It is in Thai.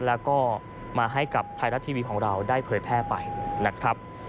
แล้วก็มาให้กับไทยรัฐทีวีของเราได้เผยแพร่ไปนะครับ